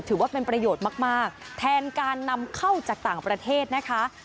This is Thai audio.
ถือว่าเป็นประโยชน์มากแทนการนำเข้าจากต่างประเทศนะคะ